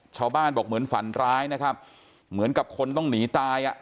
ชาวบ้านบอกเหมือนฝันร้ายนะครับเหมือนกับคนต้องหนีตายอ่ะ